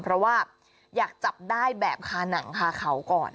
เพราะว่าอยากจับได้แบบคาหนังคาเขาก่อน